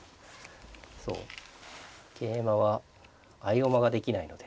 そう桂馬は合駒ができないので。